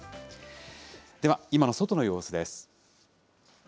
では、今の外の様子です。